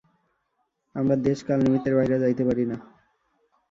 আমরা দেশ-কাল-নিমিত্তের বাহিরে যাইতে পারি না।